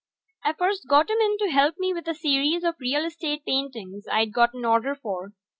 I first got him in to help me with a series of real estate paintings I'd got an order for.